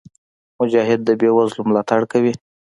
مجاهد د بېوزلو ملاتړ کوي.